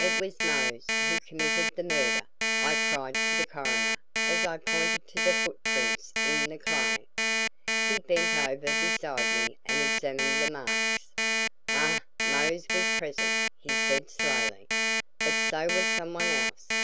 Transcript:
"It was Mose who committed the murder!" I cried to the coroner as I pointed to the foot prints in the clay. He bent over beside me and examined the marks. "Ah Mose was present," he said slowly, "but so was someone else.